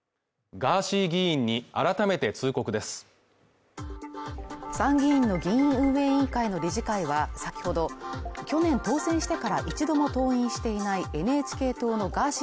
ガーシー議員に改めて通告です参議院の議院運営委員会の理事会は先ほど去年当選してから１度も登院していないＮＨＫ党のガーシー